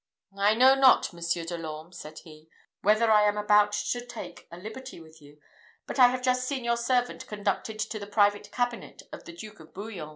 "I know not, Monsieur de l'Orme," said he, "whether I am about to take a liberty with you, but I have just seen your servant conducted to the private cabinet of the Duke of Bouillon.